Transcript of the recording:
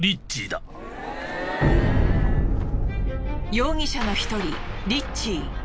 容疑者の１人リッチー。